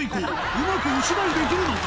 うまくお芝居できるのか？